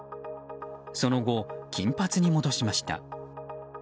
その後、金髪に戻しました。